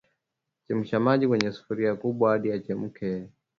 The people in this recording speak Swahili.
Chemsha maji kwenye sufuria kubwa hadi yachemke